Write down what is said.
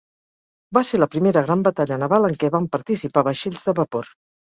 Va ser la primera gran batalla naval en què van participar vaixells de vapor.